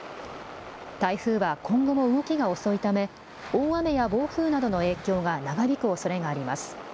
台風は今後も動きが遅いため大雨や暴風などの影響が長引くおそれがあります。